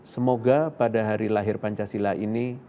semoga pada hari lahir pancasila ini